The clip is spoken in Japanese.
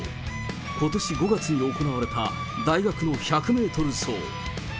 ことし５月に行われた大学の１００メートル走。